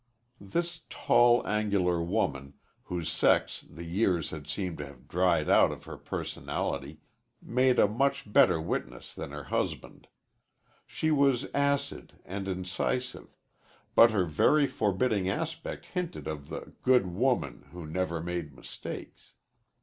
This tall, angular woman, whose sex the years had seemed to have dried out of her personality, made a much better witness than her husband. She was acid and incisive, but her very forbidding aspect hinted of the "good woman" who never made mistakes.